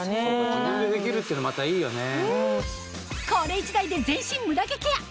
自分でできるっていうのはまたいいよね。